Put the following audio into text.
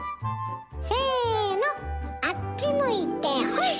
せのあっち向いてホイ！